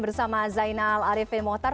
bersama zainal arifin motar